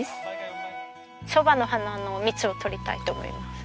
ソバの花の蜜をとりたいと思います。